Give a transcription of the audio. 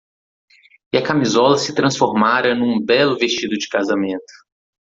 E a camisola se transformara num belo vestido de casamento.